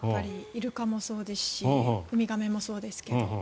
イルカもそうですしウミガメもそうですが。